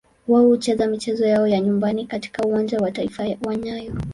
Wao hucheza michezo yao ya nyumbani katika Uwanja wa Taifa wa nyayo.